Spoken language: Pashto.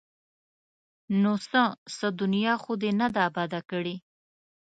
ـ نو څه؟ څه دنیا خو یې نه ده اباده کړې!